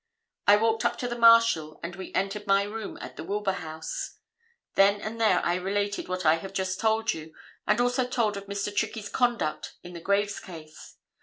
I walked up to the Marshal, and we entered my room at the Wilbur House. Then and there I related what I have just told you, and also told of Mr. Trickey's conduct in the Graves case.